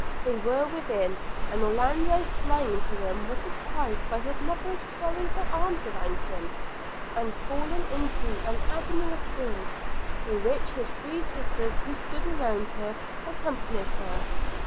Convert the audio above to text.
They were within; and Orlando, flying to them, was surprised by his mother's throwing her arms around him, and falling into an agony of tears, in which his three sisters, who stood around her, accompanied her.